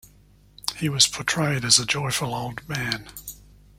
He was portrayed as joyful old man.